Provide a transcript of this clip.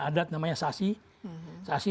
adat namanya sasi sasi